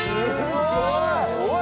すごい！